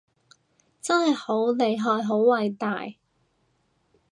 真係好厲害好偉大